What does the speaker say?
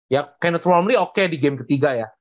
ya kenneth romley oke di game ketiga ya